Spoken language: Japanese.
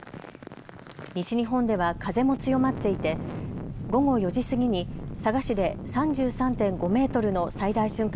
西日本では風も強まっていて午後４時過ぎに佐賀市で３３．５メートルの最大瞬間